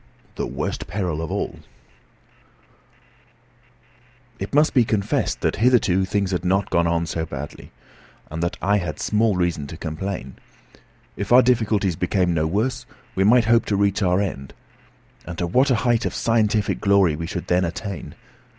THE WORST PERIL OF ALL It must be confessed that hitherto things had not gone on so badly, and that I had small reason to complain. If our difficulties became no worse, we might hope to reach our end. And to what a height of scientific glory we should then attain!